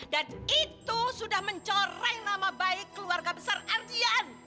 dan itu sudah mencoreng nama baik keluarga besar ardian